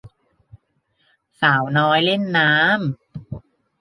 สาวน้อยเล่นน้ำ